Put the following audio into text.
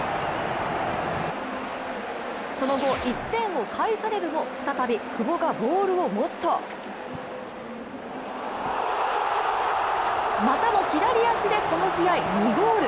その後、１点を返されるも再び久保がボールを持つとまたも左足でこの試合、２ゴール。